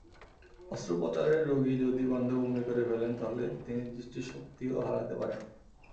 অস্ত্রোপচারের রোগী যদি গন্ধে বমি করে ফেলেন তাহলে তিনি দৃষ্টিশক্তিও হারাতে পারেন।